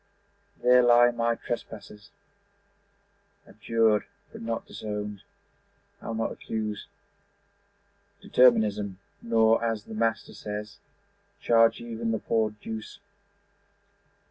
There lie my trespasses, Abjured but not disowned. I'll not accuse Determinism, nor, as the Master says, Charge even 'the poor Deuce'.